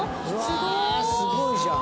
田中：すごいじゃん。